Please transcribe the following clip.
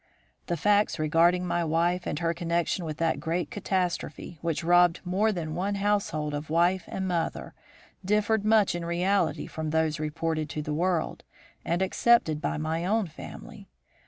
The facts regarding my wife and her connection with that great catastrophe which robbed more than one household of wife and mother differed much in reality from those reported to the world and accepted by my own family.